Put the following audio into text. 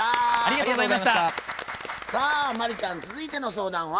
さあ真理ちゃん続いての相談は？